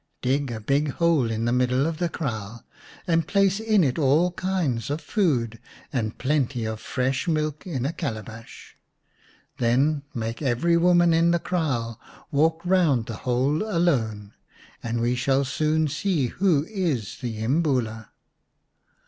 " Dig a big hole in the middle of the kraal, and place in it all kinds of food and plenty of fresh milk in a calabash. Then make every woman in the kraal walk round the hole alone, and we shall soon see who is the Imbula."